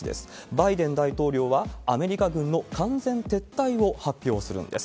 バイデン大統領は、アメリカ軍の完全撤退を発表するんです。